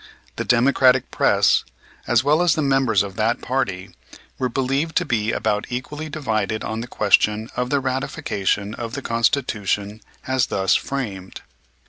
The Democratic press, as well as the members of that party, were believed to be about equally divided on the question of the ratification of the Constitution as thus framed.